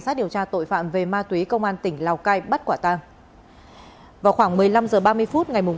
sát điều tra tội phạm về ma túy công an tỉnh lào cai bắt quả ta vào khoảng một mươi năm giờ ba mươi phút ngày bảy